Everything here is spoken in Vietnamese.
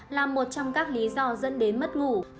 là một trong các lý do dẫn đến mất ngủ